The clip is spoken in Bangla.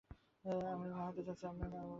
যে আমি মা হতে যাচ্ছি, আর মা-বাবা আমি আর অ্যামোস।